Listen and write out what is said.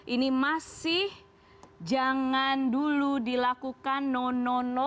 ini masih jangan dulu dilakukan no no no